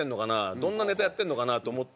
どんなネタやってるのかな？と思って。